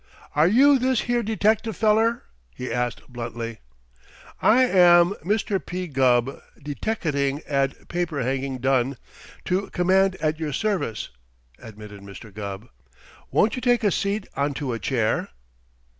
"Are you this here detective feller?" he asked bluntly. "I am Mister P. Gubb, deteckating and paper hanging done, to command at your service," admitted Mr. Gubb. "Won't you take a seat onto a chair?"